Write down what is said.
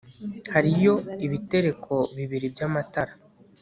hariyo ibitereko bibiri by'amatara